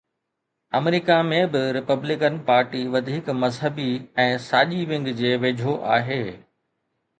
آمريڪا ۾ به Republican party وڌيڪ مذهبي ۽ ساڄي ونگ جي ويجهو آهي.